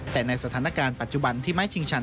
แต่ในสถานการณ์ปัจจุบันที่ไม้ชิงชัน